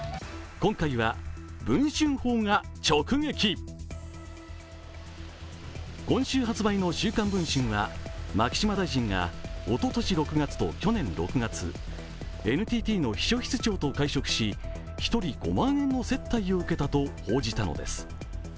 今週発売の「週刊文春」は牧島かれん氏がおととし６月と去年６月、ＮＴＴの秘書室長と会食し１人５万円の接待を受けたと報じたのです。